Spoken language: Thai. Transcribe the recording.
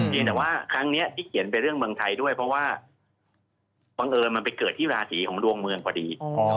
อย่างแต่ว่าครั้งนี้ที่เขียนเป็นเรื่องเมืองไทยด้วยเพราะว่าบังเอิญมันไปเกิดที่ราศีของดวงเมืองพอดี